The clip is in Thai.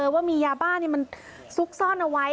ว่ามียาบ้ามันซุกซ่อนเอาไว้